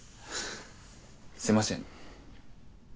すいません。